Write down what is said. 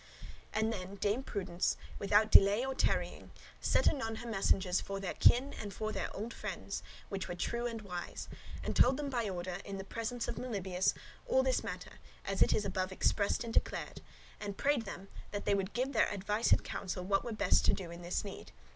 '" And then Dame Prudence, without delay or tarrying, sent anon her messengers for their kin and for their old friends, which were true and wise; and told them by order, in the presence of Melibœus, all this matter, as it is above expressed and declared; and prayed them that they would give their advice and counsel what were best to do in this need.